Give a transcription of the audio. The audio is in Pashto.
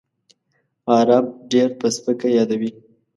عرب ډېر په سپکه یادوي.